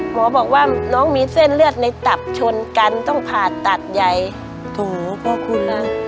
หมอบอกว่าน้องมีเส้นเลือดในตับชนกันต้องผ่าตัดใหญ่โถพ่อคุณนะ